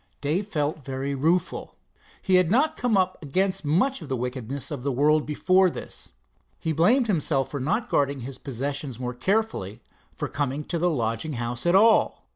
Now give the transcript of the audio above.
Dave felt very rueful. He had not come up against much of the wickedness of the world before this. He blamed himself for not guarding his possessions more carefully, for coming to the lodging house at all.